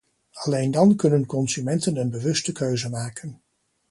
Alleen dan kunnen consumenten een bewuste keuze maken.